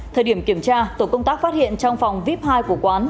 thời điểm kiểm tra tổ công tác phát hiện trong phòng vip hai của quán